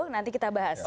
nanti kita bahas ya